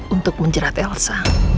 untuk menjerat elsa